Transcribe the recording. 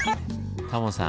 タモさん